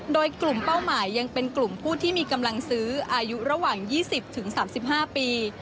โดยกลุ่มเป้าหมายยังเป็นกลุ่มผู้ที่มีกำลังซื้ออายุระหว่าง๒๐๓๕ปี